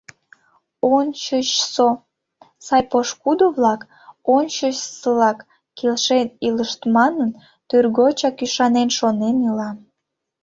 Ончычсо сай пошкудо-влак ончычсылак келшен илышт манын, Тӱргочак ӱшанен-шонен ила.